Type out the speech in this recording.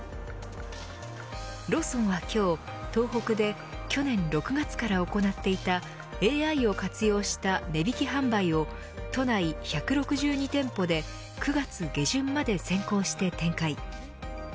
ローソンは今日東北で去年６月から行っていたＡＩを活用した値引き販売を都内１６２店舗で９月下旬まで先行して展開。